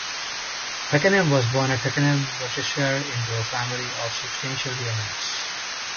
Feckenham was born at Feckenham, Worcestershire, into a family of substantial yeomen.